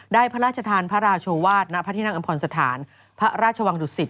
พระราชทานพระราชาวาสณพระที่นั่งอำพรสถานพระราชวังดุสิต